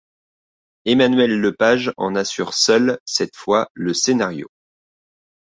Emmanuel Lepage en assure seul, cette fois, le scénario.